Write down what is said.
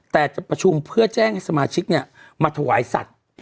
แต่จะประชุมเพื่อแจ้งให้สมาชิกมาถวายสัตว์